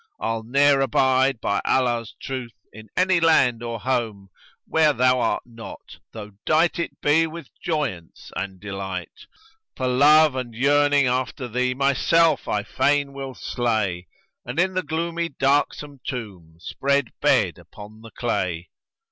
I'll ne'er abide, by Allah's truth, in any land or home * Where thou art not, though dight it be with joyance and delight For love and yearning after thee myself I fain will slay, * And in the gloomy darksome tomb spread bed upon the clay."